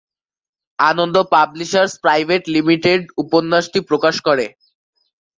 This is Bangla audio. আনন্দ পাবলিশার্স প্রাইভেট লিমিটেড উপন্যাসটি প্রকাশ করে।